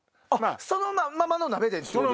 そのままの鍋でっていうことね？